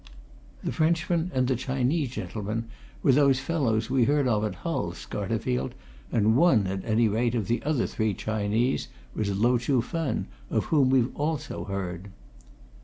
The Frenchman and the Chinese gentleman were those fellows we heard of at Hull, Scarterfield, and one, at any rate, of the other three Chinese was Lo Chuh Fen, of whom we've also heard."